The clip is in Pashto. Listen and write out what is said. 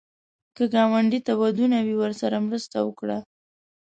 که ګاونډي ته ودونه وي، ورسره مرسته وکړه